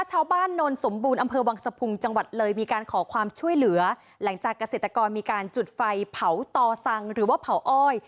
โนนสมบูรณ์อำเภอวังสะพุงจังหวัดเลยมีการขอความช่วยเหลือหลังจากเกษตรกรมีการจุดไฟเผาต่อสังหรือว่าเผาอ้อย